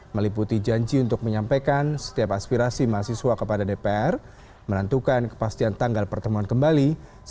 meliputi janji untuk menyampaikan setiap aspirasi mahasiswa kepada dpr menentukan kepastian tanggal pertemuan kembali